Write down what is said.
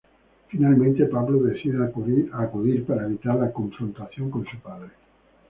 Finalmente, Pablo decide acudir para evitar la confrontación con su padre.